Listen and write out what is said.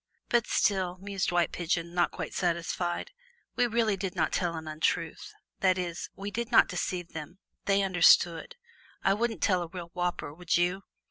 "But still," mused White Pigeon, not quite satisfied, "we really did not tell an untruth that is, we did not deceive them they understood I wouldn't tell a real whopper, would you?"